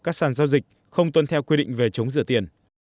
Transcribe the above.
các sản giao dịch không tuân theo quy định về chống rửa tiền